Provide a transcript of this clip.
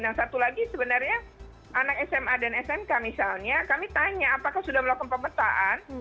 nah satu lagi sebenarnya anak sma dan smk misalnya kami tanya apakah sudah melakukan pemetaan